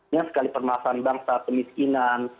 yang sekali penolakan bangsa kemiskinan